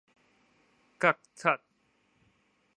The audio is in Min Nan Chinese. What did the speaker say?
覺察